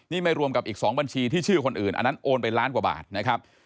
นี่ไม่รวมกับอีก๒บัญชีที่ชื่อคนอื่นอันนั้นโอนไปล้านกว่าบาทนะครับ